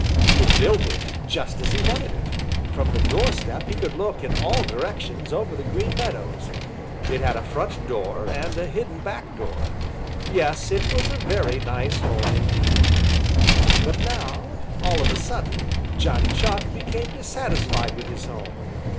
He had built it just as he wanted it. From the doorstep he could look in all directions over the Green Meadows. It had a front door and a hidden back door. Yes, it was a very nice home indeed. But now, all of a sudden, Johnny Chuck became dissatisfied with his home.